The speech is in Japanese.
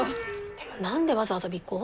でも何でわざわざ尾行？